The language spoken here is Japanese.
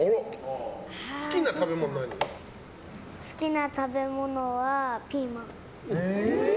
好きな食べ物はピーマン。